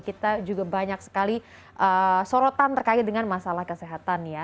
kita juga banyak sekali sorotan terkait dengan masalah kesehatan ya